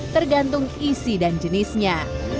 tergantung isi dan jenisnya